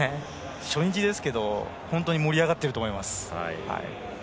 初日ですけど本当に盛り上がっていると思います。